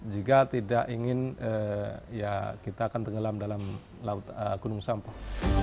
jika tidak ingin kita akan tenggelam dalam gunung sampah